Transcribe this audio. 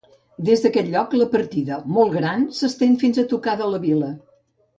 Des d'aquest lloc, la partida, molt gran, s'estén fins a tocar de la vila.